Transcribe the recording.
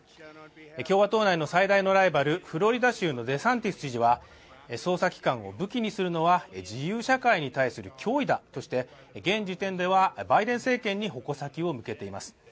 共和党内の最大のライバルフロリダ州のデサンティス知事は捜査機関を武器にするのは自由社会に対する脅威だとして現時点ではバイデン政権に矛先を向けています。